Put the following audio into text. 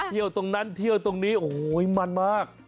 เที่ยวตรงนั้นเที่ยวตรงนี้โอ้โหมันมาก